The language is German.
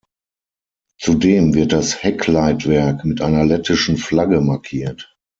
Zudem wird das Heckleitwerk mit einer lettischen Flagge markiert.